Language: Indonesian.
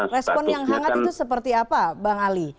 respon yang hangat itu seperti apa bang ali